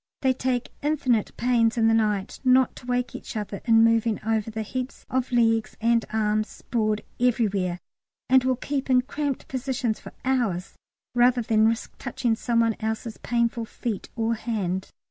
They take infinite pains in the night not to wake each other in moving over the heaps of legs and arms sprawled everywhere, and will keep in cramped positions for hours rather than risk touching some one else's painful feet or hand.